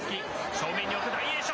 正面におく大栄翔。